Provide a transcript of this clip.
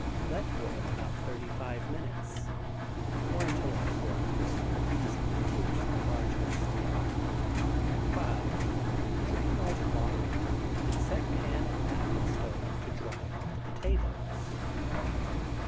Let boil about 35 minutes, or until a fork will easily pierce the largest. 5. Drain off all the water, and set pan at back of stove to dry off the potatoes.